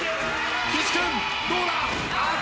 岸君どうだ？